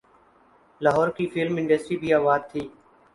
لاہور کی film industry بھی آباد تھی۔